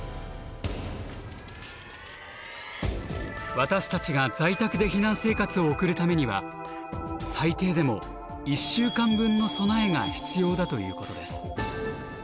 私たちが在宅で避難生活を送るためには最低でも「１週間分の備え」が必要だということです。